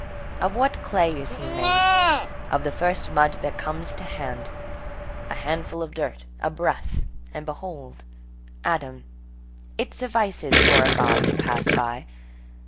Of what clay is he made? Of the first mud that comes to hand. A handful of dirt, a breath, and behold Adam. It suffices for a God to pass by.